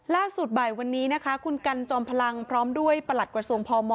ล่าสุดบ่ายวันนี้นะคะคุณกันจอมพลังพร้อมด้วยประหลัดกระทรวงพม